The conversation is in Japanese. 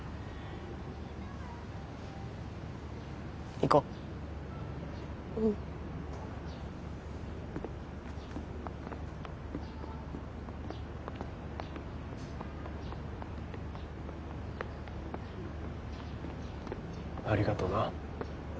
行こううんありがとな